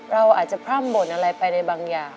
เราอาจจะพร่ำบ่นอะไรไปในบางอย่าง